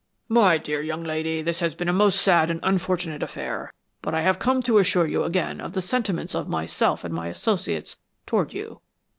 "My dear young lady, this has been a most sad and unfortunate affair, but I have come to assure you again of the sentiments of myself and my associates toward you.